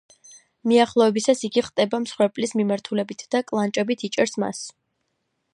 მიახლოებისას იგი ხტება მსხვერპლის მიმართულებით და „კლანჭებით“ იჭერს მას.